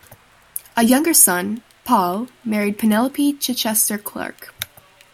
A younger son, Paul, married Penelope Chichester-Clark.